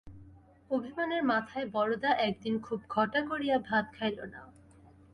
অভিমানের মাথায় বরদা একদিন খুব ঘটা করিয়া ভাত খাইল না।